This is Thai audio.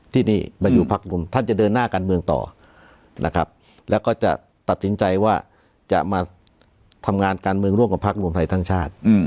ที่นี่มาอยู่พักรวมท่านจะเดินหน้าการเมืองต่อนะครับแล้วก็จะตัดสินใจว่าจะมาทำงานการเมืองร่วมกับพักรวมไทยสร้างชาติ